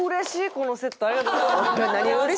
このセットありがとうございます。